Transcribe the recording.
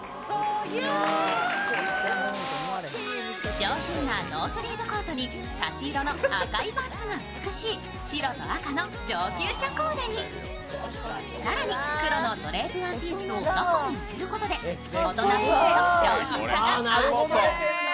上品なノースリーブコートに差し色の赤いパンツが美しい、白と赤の上級者コーデに更に黒のドレープワンピースを中に着ることで、大人っぽさと上品さがアップ。